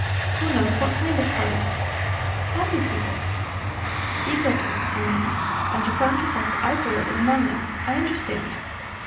"Who knows what kind of party!" "Happy people ..." "Egotists, you mean, and you found yourselves isolated among them, I understand